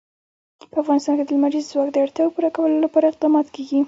په افغانستان کې د لمریز ځواک د اړتیاوو پوره کولو لپاره اقدامات کېږي.